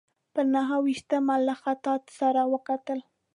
پر نهه ویشتمه له خطاط سره وکتل.